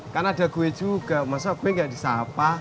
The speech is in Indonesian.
kan ada gue juga masa gue gak bisa apa